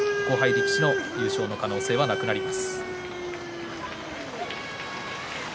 力士の優勝の可能性はなくなります。